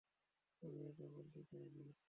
আমি এটা বলতে চাইনি।